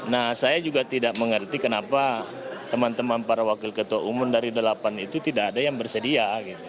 nah saya juga tidak mengerti kenapa teman teman para wakil ketua umum dari delapan itu tidak ada yang bersedia